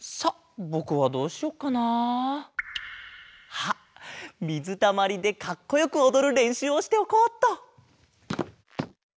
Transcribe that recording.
あっみずたまりでかっこよくおどるれんしゅうをしておこうっと！